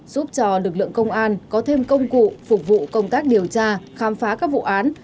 giúp cho lực lượng công an có thêm công cụ phục vụ công tác điều tra khám phá các vụ án